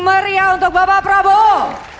meriah untuk bapak prabowo